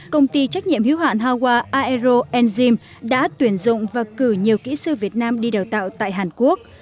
công ty trách nhiệm hiếu hạn hawa aero enzym đã tuyển dụng và cử nhiều kỹ sư việt nam đi đào tạo tại hàn quốc